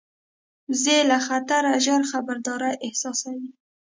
وزې له خطره ژر خبرداری احساسوي